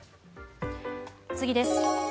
次です。